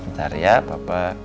bentar ya papa